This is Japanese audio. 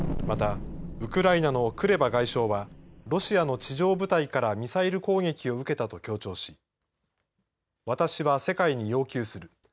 また、ウクライナのクレバ外相はロシアの地上部隊からミサイル攻撃を受けたと強調し私は世界に要求する。